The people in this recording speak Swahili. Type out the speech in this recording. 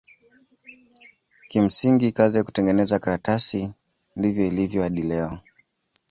Kimsingi kazi ya kutengeneza karatasi ndivyo ilivyo hadi leo.